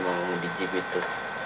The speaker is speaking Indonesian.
mengemudikan cip itu